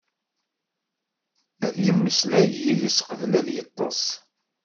Ad yemmeslay yid-s qbel ad yeṭṭeṣ.